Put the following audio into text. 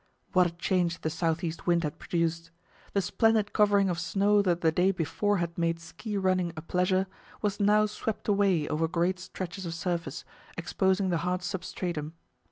What a change the south east wind had produced! The splendid covering of snow that the day before had made ski running a pleasure, was now swept away over great stretches of surface, exposing the hard substratum.